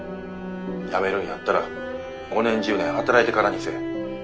辞めるんやったら５年１０年働いてからにせえ。